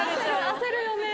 焦るよね。